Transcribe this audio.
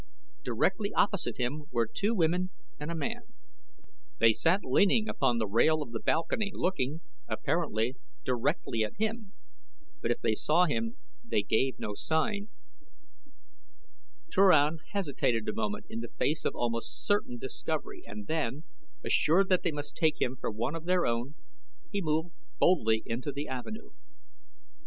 Directly opposite him were two women and a man. They sat leaning upon the rail of the balcony looking, apparently, directly at him; but if they saw him they gave no sign. Turan hesitated a moment in the face of almost certain discovery and then, assured that they must take him for one of their own people, he moved boldly into the avenue.